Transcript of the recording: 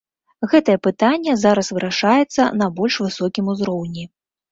Гэтае пытанне зараз вырашаецца на больш высокім узроўні.